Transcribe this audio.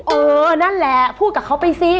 เออนั่นแหละพูดกับเขาไปสิ